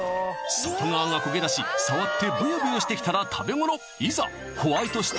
外側が焦げだし触ってブヨブヨしてきたら食べ頃いざ